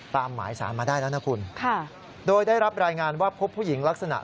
หมายสารมาได้แล้วนะคุณค่ะโดยได้รับรายงานว่าพบผู้หญิงลักษณะ